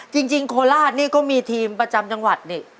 โคราชนี่ก็มีทีมประจำจังหวัดนี่